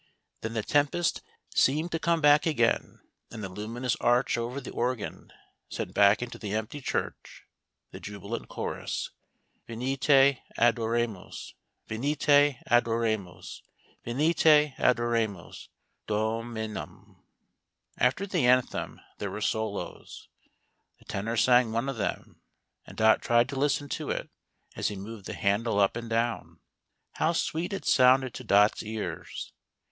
Then the tempest seemed to 14 HOW DOT HEARD " THE MESSIAH." come back again, and the luminous arch over the organ sent back into the empty church the jubilant chorus : Venite adoremus, Vejiite adoremusy Venite adoremus, Dominum." After the anthem there were solos. The Tenor sang one of them, and Dot tried to listen to it as he moved the handle up and down. How sweet it sounded to Dot's ears!